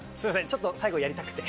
ちょっと最後やりたくて。